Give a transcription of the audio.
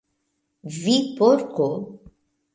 "Vi Porko!"